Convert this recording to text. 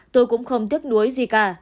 tôi cũng không tiếc nuối gì cả